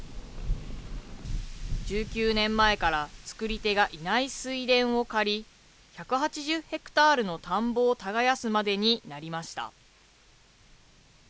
１９年前から作り手がいない水田を借り、１８０ヘクタールの田んぼを耕すまでになりました。